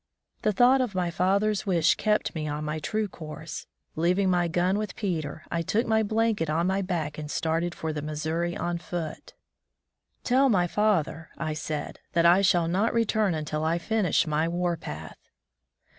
The thought of my father's wish kept me on my true course. Leaving my gun with Peter, I took my blanket on my back and started for the Missouri on foot. "TeU my father," I said, "that I shall not return imtil I finish my war path."